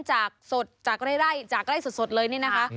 จากสดจากไร่จากไร่สดเลยนี่นะคะ